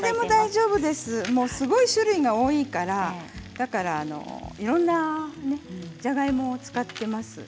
すごい種類が多いからいろんなじゃがいもを使っています。